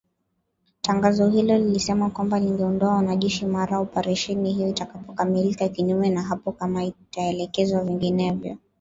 Tangazo hilo lilisema kwamba lingeondoa wanajeshi mara operesheni hiyo itakapokamilika kinyume na hapo kama itaelekezwa vinginevyo